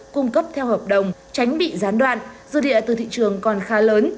cung cấp theo hợp đồng tránh bị gián đoạn dư địa từ thị trường còn khá lớn